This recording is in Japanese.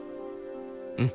うん。